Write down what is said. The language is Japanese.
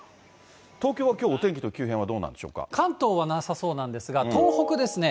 東京はきょう、お天気の急変はど関東はなさそうなんですが、東北ですね。